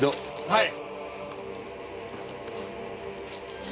はい。